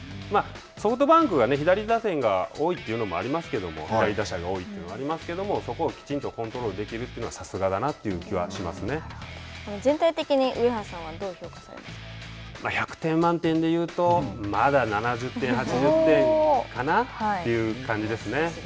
ソフトバンクが左打線が多いのもありますけども、左打者が多いというのはありますけれども、そこをきちんとコントロールできるというのは、さすがだなという気は全体的に上原さんは、どう評価１００点満点で言うと、まだ７０点、８０点かな？という感じですね。